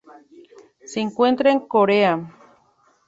Se encuentra en Corea.